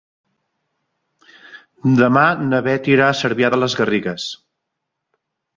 Demà na Beth irà a Cervià de les Garrigues.